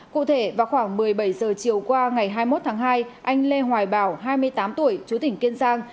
cụ thể vào khoảng một mươi bảy giờ chiều qua ngày hai mươi một tháng hai anh lê hoài bảo hai mươi tám tuổi chú tỉnh kiên giang